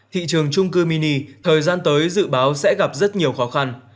thị trường trung cư mini thời gian tới dự báo sẽ gặp rất nhiều khó khăn